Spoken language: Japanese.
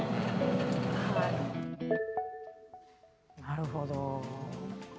なるほど。